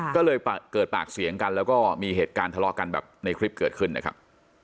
ก็เลยเกิดปากเสียงกันแล้วก็มีเหตุการณ์ทะเลาะกันแบบในคลิปเกิดขึ้นนะครับ